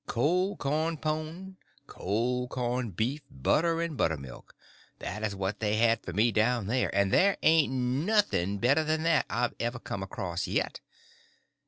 Cold corn pone, cold corn beef, butter and buttermilk—that is what they had for me down there, and there ain't nothing better that ever I've come across yet.